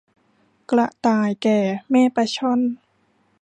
กระต่ายแก่แม่ปลาช่อน